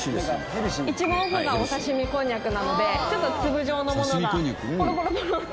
一番奥がお刺身こんにゃくなのでちょっと粒状のものがポロポロポロッと。